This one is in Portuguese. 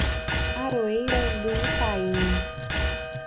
Aroeiras do Itaim